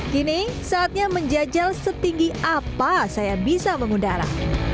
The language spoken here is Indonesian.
kini saatnya menjajal setinggi apa saya bisa mengundara